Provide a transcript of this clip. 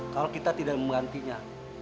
kalau kita tidak menggantinya